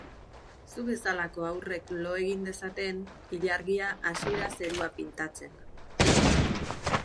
Zu bezelako haurrek lo egin dezaten, ilargia hasi da zerua pintatzen.